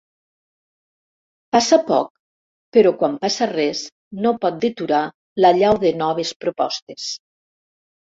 Passa poc, però quan passa res no pot deturar l'allau de noves propostes.